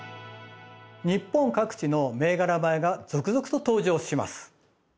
日本各地の銘柄米が続々と登場します。